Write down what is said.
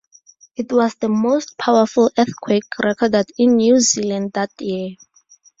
It was the most powerful earthquake recorded in New Zealand that year.